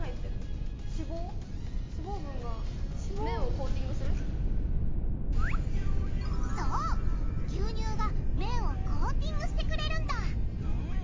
脂肪分がそう牛乳が麺をコーティングしてくれるんだ。